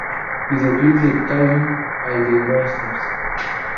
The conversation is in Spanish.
Videoclip de Calling All The Monsters